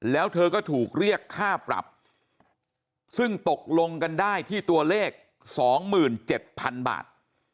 แล้วเธอก็ถูกเรียกค่าปรับซึ่งตกลงกันได้ที่ตัวเลข๒๗๐๐๐บาท